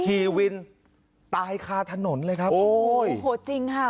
ขี่วินตายคาถนนเลยครับโอ้โหจริงค่ะ